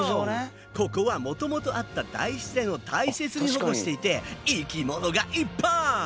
ここはもともとあった大自然を大切に保護していて生き物がいっぱい！